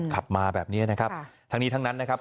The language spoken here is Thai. ขับมาแบบนี้นะครับทั้งนี้ทั้งนั้นนะครับ